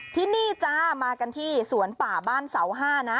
ที่นี่จ้ามากันที่สวนป่าบ้านเสาห้านะ